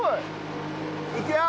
いくよ！